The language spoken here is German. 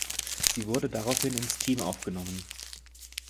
Sie wurde daraufhin ins Team aufgenommen.